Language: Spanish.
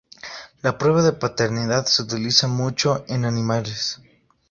La prueba de paternidad se utiliza mucho en animales.